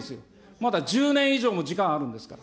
まだ１０年以上も時間あるんですから。